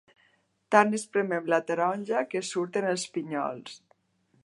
Tant espremen la taronja que surten els pinyols.